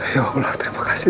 ya allah terima kasih